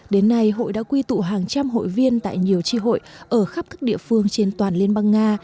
đến nay hội đã quy tụ hàng trăm hội viên tại nhiều tri hội ở khắp các địa phương trên toàn liên bang nga